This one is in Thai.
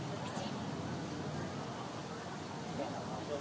โปรดติดตามต่อไป